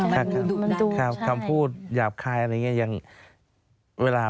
คำพูดหยาบคายอะไรอย่างนี้